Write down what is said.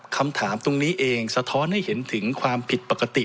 คำถามตรงนี้เองสะท้อนให้เห็นถึงความผิดปกติ